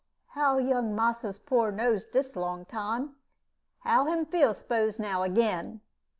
"How young massa's poor nose dis long time? How him feel, spose now again?"